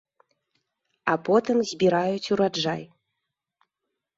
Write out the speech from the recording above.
А потым збіраюць ураджай.